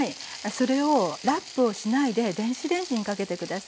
それをラップをしないで電子レンジにかけて下さい。